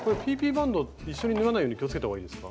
バンド一緒に縫わないように気をつけたほうがいいですか？